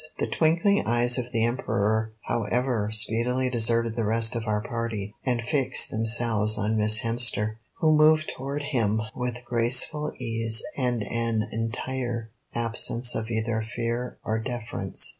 The twinkling eyes of the Emperor, however, speedily deserted the rest of our party, and fixed themselves on Miss Hemster, who moved toward him with graceful ease and an entire absence of either fear or deference.